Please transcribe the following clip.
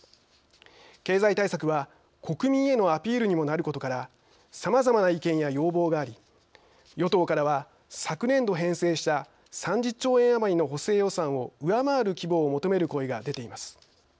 経済対策は国民へのアピールにもなることからさまざまな意見や要望があり与党からは昨年度編成した３０兆円余りの補正予算を上回る規模を求める声が出ています。